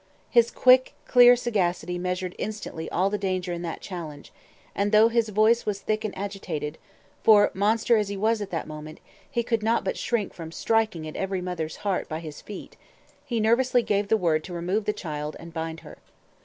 His quick, clear sagacity measured instantly all the danger in that challenge; and though his voice was thick and agitated (for, monster as he was at that moment, he could not but shrink from striking at every mother's heart at his feet), he nervously gave the word to remove the child, and bind her.